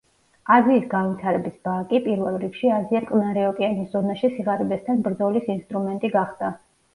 აზიის განვითარების ბანკი, პირველ რიგში, აზია-წყნარი ოკეანის ზონაში სიღარიბესთან ბრძოლის ინსტრუმენტი გახდა.